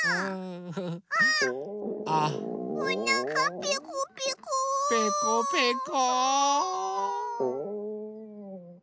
ペコペコ。